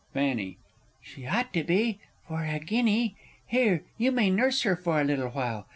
Fanny. She ought to be for a guinea! Here, you may nurse her for a little while.